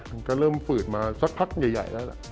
มันก็เริ่มฝืดมาสักพักใหญ่แล้วล่ะ